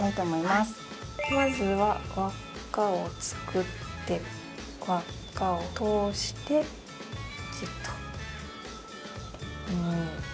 まずは輪っかを作って輪っかを通してキュッと。